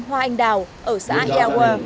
hoa anh đào ở xã ea hoa